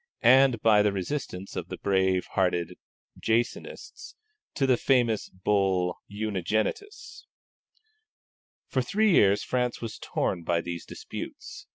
and by the resistance of the brave hearted Jansenists to the famous Bull Unigenitus. For three years France was torn by these disputes.